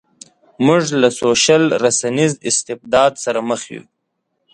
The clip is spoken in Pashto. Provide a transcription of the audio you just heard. موږ له سوشل رسنیز استبداد سره مخ یو.